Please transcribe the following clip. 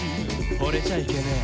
「ほれちゃいけねえ」